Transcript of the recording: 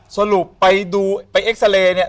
สรุปไปดูไปเอ็กซาเรย์เนี่ย